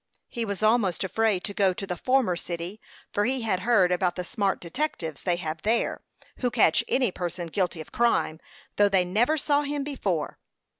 He was almost afraid to go to the former city, for he had heard about the smart detectives they have there, who catch any person guilty of crime, though they never saw him before.